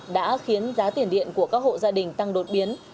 đã khiến giá tiền điện của các hộ gia đình tăng đột biến